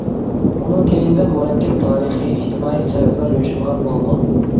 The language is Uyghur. ئۇنىڭ كەينىدە مۇرەككەپ تارىخىي، ئىجتىمائىي سەۋەبلەر يوشۇرۇنغان بولىدۇ.